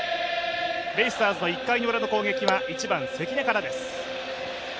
ベイスターズの１回ウラの攻撃は１番・関根からです。